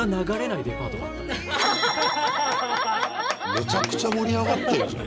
めちゃくちゃ盛り上がってるじゃん。